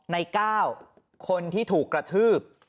นายก้าวคนที่ถูกกระทืบ